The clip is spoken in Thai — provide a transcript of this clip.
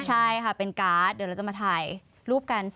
ใช่ค่ะเป็นการ์ดเดี๋ยวเราจะมาถ่ายรูปกัน